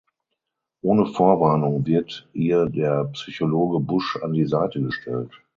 Ohne Vorwarnung wird ihr der Psychologe Busch an die Seite gestellt.